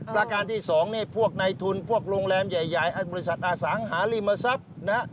ประการที่๒นี่พวกในทุนพวกโรงแรมใหญ่บริษัทอสังหาริมทรัพย์นะฮะ